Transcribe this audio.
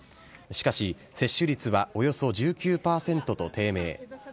しかし、接種率はおよそ１９％と低迷。